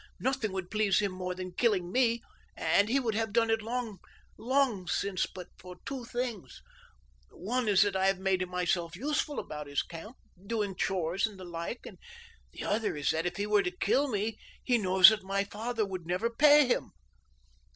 Nothing would please him more than killing me, and he would have done it long since but for two things. One is that I have made myself useful about his camp, doing chores and the like, and the other is that were he to kill me he knows that my father would never pay him."